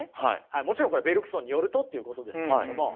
もちろんこれベルクソンによるとっていうことですけれども。